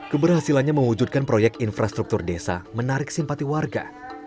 keberhasilannya mewujudkan proyek infrastruktur desa menarik simpati warga